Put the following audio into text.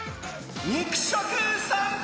肉食さんぽ。